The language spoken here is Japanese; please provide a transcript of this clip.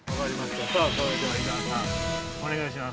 さあ、それでは伊沢さんお願いします。